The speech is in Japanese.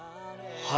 はい。